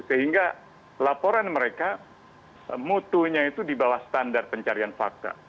sehingga laporan mereka mutunya itu di bawah standar pencarian fakta